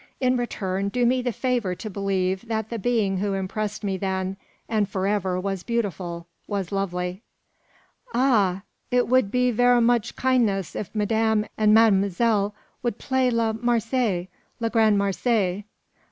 In return, do me the favour to believe, that the being who impressed me then and for ever was beautiful, was lovely. "Ah! it wod be ver moch kindness if madame and ma'm'selle wod play la Marseillaise, la grande Marseillaise.